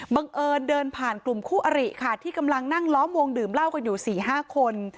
บังเอิญเดินผ่านกลุ่มคู่อริค่ะที่กำลังนั่งล้อมวงดื่มเหล้ากันอยู่๔๕คน